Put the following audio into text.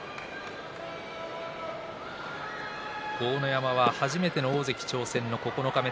豪ノ山は、初めての大関挑戦の九日目。